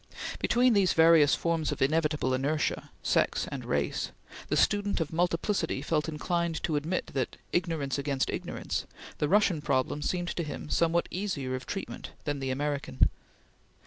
Between these various forms of inevitable inertia sex and race the student of multiplicity felt inclined to admit that ignorance against ignorance the Russian problem seemed to him somewhat easier of treatment than the American.